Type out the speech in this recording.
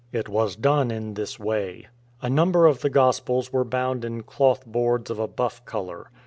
It was done in this way. A number of the Gospels were bound in cloth boards of a buff colour.